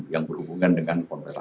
yang berhubungan dengan konfes